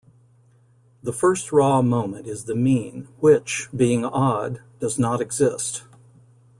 The first raw moment is the mean, which, being odd, does not exist.